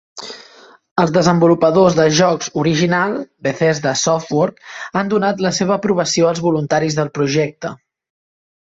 Els desenvolupadors de jocs original, Bethesda Softworks, han donat la seva aprovació als voluntaris del projecte.